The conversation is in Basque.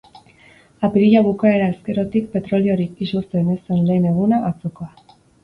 Apirila bukaera ezkeroztik petroliorik isurtzen ez zen lehen eguna, atzokoa.